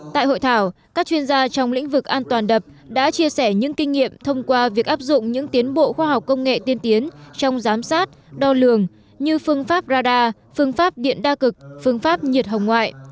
tại hội thảo các chuyên gia trong lĩnh vực an toàn đập đã chia sẻ những kinh nghiệm thông qua việc áp dụng những tiến bộ khoa học công nghệ tiên tiến trong giám sát đo lường như phương pháp radar phương pháp điện đa cực phương pháp nhiệt hồng ngoại